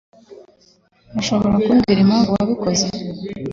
Urashobora kumbwira impamvu wabikoze?